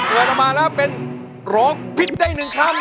เอิมาลีเป็นหรอกผิดได้๑คำ